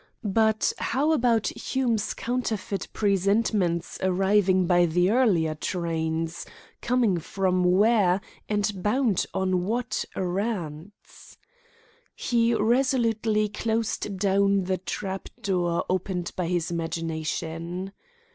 But how about Hume's counterfeit presentments arriving by the earlier trains coming from where and bound on what errands? He resolutely closed down the trap door opened by his imagination.